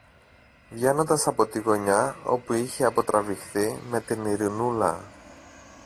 βγαίνοντας από τη γωνιά όπου είχε αποτραβηχθεί με την Ειρηνούλα.